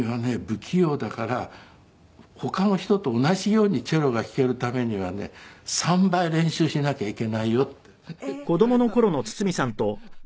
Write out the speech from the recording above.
不器用だから他の人と同じようにチェロが弾けるためにはね３倍練習しなきゃいけないよ」って言われた。